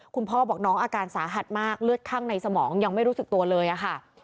คุณพ่อบอกน้องอาการสาหัสมากเลือดข้างในสมองยังไม่รู้สึกตัวเลยค่ะ